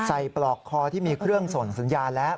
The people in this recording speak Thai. ปลอกคอที่มีเครื่องส่งสัญญาณแล้ว